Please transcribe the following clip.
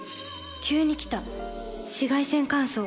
急に来た紫外線乾燥。